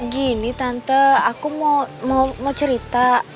gini tante aku mau cerita